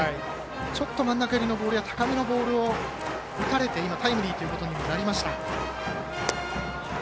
真ん中寄りのボールや高めのボールを打たれて今、タイムリーということにもなりました。